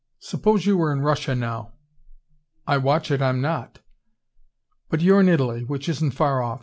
"Suppose you were in Russia now " "I watch it I'm not." "But you're in Italy, which isn't far off.